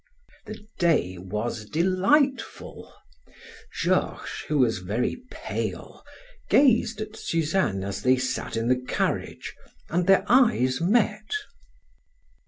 The day was delightful. Georges, who was very pale, gazed at Suzanne as they sat in the carriage and their eyes met.